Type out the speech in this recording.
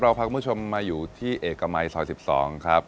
เราพักมือชมมาอยู่ที่เอกมัยซอย๑๒ครับ